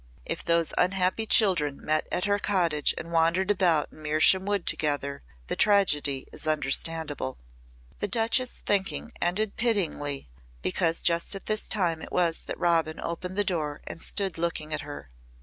"If those unhappy children met at her cottage and wandered about in Mersham Wood together the tragedy is understandable." The Duchess' thinking ended pityingly because just at this time it was that Robin opened the door and stood looking at her.